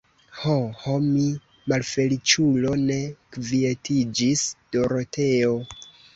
Ho, ho, mi, malfeliĉulo, ne kvietiĝis Doroteo.